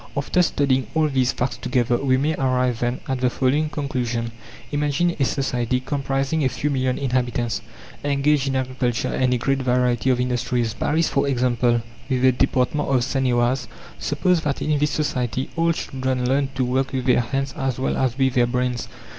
After studying all these facts together, we may arrive, then, at the following conclusion: Imagine a society, comprising a few million inhabitants, engaged in agriculture and a great variety of industries Paris, for example, with the Department of Seine et Oise. Suppose that in this society all children learn to work with their hands as well as with their brains.